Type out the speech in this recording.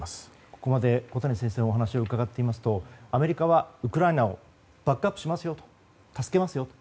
ここまで小谷先生のお話を伺っていますとアメリカはウクライナをバックアップしますよ助けますよと。